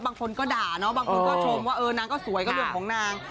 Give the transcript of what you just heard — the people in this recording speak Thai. บางคนก็ด่าเนาะบางคนก็ชมว่าเออนางก็สวยก็เรื่องของนาง